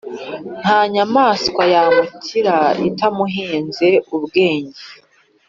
nta nyamaswa yamukira itamuhenze ubwenge.